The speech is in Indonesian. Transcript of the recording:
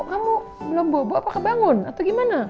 kamu belum bobo apa kebangun atau gimana